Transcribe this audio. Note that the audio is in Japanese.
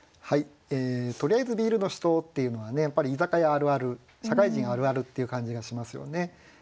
「とりあえずビールの人」っていうのはねやっぱり居酒屋あるある社会人あるあるっていう感じがしますよね。